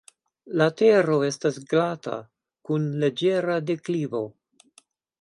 La tero estas glata kun leĝera deklivo.